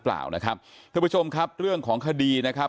เพื่อชมครับเรื่องของคดีนะครับ